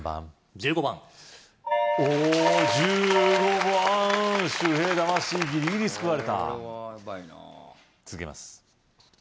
１５番お１５番周平魂ぎりぎり救われた続けます